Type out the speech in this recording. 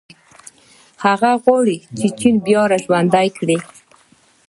هغه غواړي چې چین بیا راژوندی کړي.